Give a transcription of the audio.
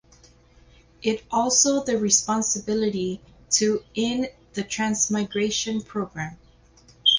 It also the responsibility to in the Transmigration Program.